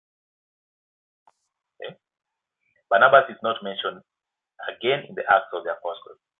Barnabas is not mentioned again in the Acts of the Apostles.